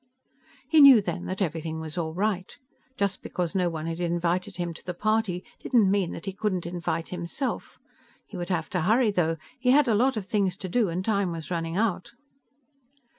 He knew then that everything was all right. Just because no one had invited him to the party didn't mean that he couldn't invite himself. He would have to hurry, though he had a lot of things to do, and time was running out.